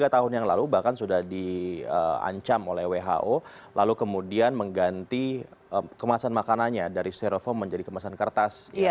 tiga tahun yang lalu bahkan sudah diancam oleh who lalu kemudian mengganti kemasan makanannya dari steroform menjadi kemasan kertas